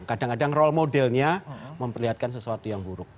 kadang kadang role modelnya memperlihatkan sesuatu yang buruk